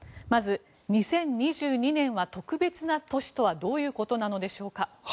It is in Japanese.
まず２０２２年は特別な年とはどういうことなのでしょうか。